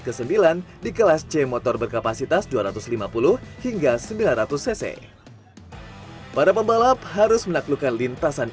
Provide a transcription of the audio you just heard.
ke sembilan di kelas c motor berkapasitas dua ratus lima puluh hingga sembilan ratus cc para pembalap harus menaklukkan lintasan